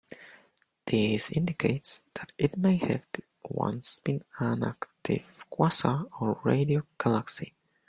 This indicates that it may have once been an active quasar or radio galaxy.